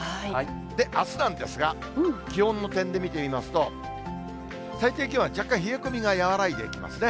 で、あすなんですが、気温の点で見てみますと、最低気温は若干、冷え込みが和らいできますね。